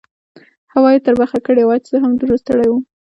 هوا یې تربخه کړې وه، زه هم دومره ستړی وم.